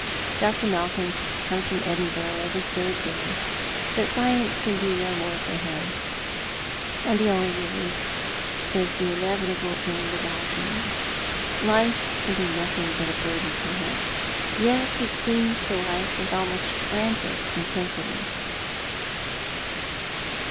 Dr. Malcolm comes from Edinburgh every third day ; but science can do no more for him, and the only hope of relief is the inevitable end of all things. Life can be nothing but a burden to him ; yet he clings to life with almost frantic intensity."